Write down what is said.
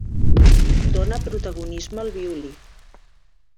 Dóna protagonisme al violí.